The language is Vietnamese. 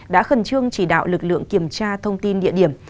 đã khẩn trương chỉ đạo lực lượng kiểm tra thông tin địa điểm